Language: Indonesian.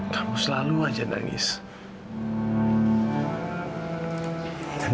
dan aku selalu menghibur dan memuatkan kamu mil